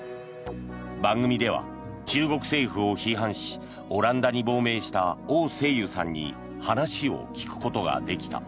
番組では、中国政府を批判しオランダに亡命したオウ・セイユさんに話を聞くことができた。